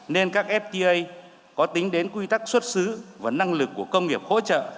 nên các fta có tính đến quy tắc xuất xứ và năng lực của công nghiệp hỗ trợ